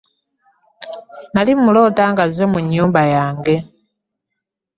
Nnali mmuloota ng'azze mu nyumba yange